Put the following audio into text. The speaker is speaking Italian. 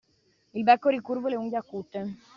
Il becco ricurvo e le unghie acute.